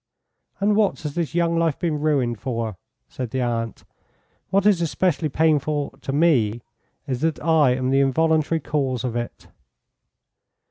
"And what has this young life been ruined for?" said the aunt. "What is especially painful to me is that I am the involuntary cause of it."